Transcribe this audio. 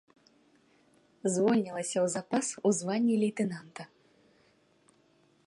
Звольнілася ў запас у званні лейтэнанта.